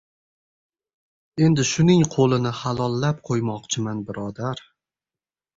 Endi shuning qo‘lini halollab qo‘ymoqchiman, birodar.